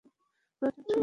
পুরাতন ছুরিও আছে।